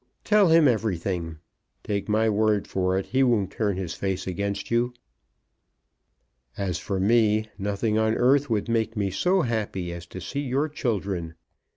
Tell him everything. Take my word for it he won't turn his face against you. As for me, nothing on earth would make me so happy as to see your children.